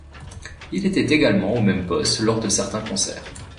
Il était également au même poste lors de certains concerts.